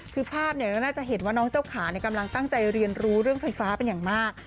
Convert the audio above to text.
คือภาพเราน่าจะเห็นว่าน้องเจ้าขากำลังตั้งใจเรียนรู้เรื่องไฟฟ้าเป็นอย่างมาก